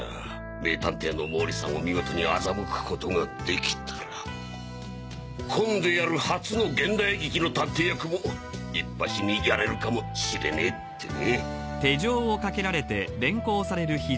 名探偵の毛利さんを見事に欺くことができたら今度やる初の現代劇の探偵役もいっぱしにやれるかもしれねぇってね。